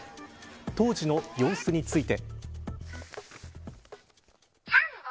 当時の様子について。